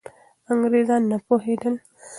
انګریزان نه پوهېدل.